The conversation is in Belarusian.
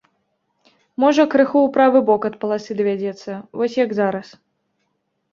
Можа крыху ў правы бок ад паласы давядзецца вось як зараз.